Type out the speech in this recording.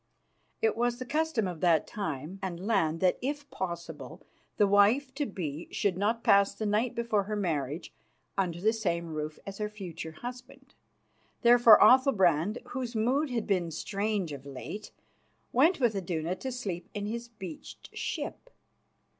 It was the custom of that time and land that, if possible, the wife to be should not pass the night before her marriage under the same roof as her future husband. Therefore Athalbrand, whose mood had been strange of late, went with Iduna to sleep in his beached ship.